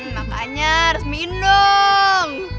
makanya resmiin dong